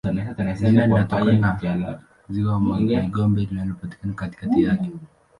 Jina linatokana na ziwa Mai-Ndombe linalopatikana katikati yake.